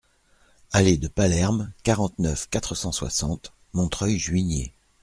Allée de Palerme, quarante-neuf, quatre cent soixante Montreuil-Juigné